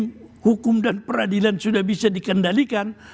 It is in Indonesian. kemudian hukum dan peradilan sudah bisa dikendalikan